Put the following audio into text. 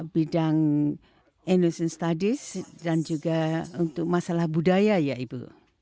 bidang industri studies dan juga untuk masalah budaya ya ibu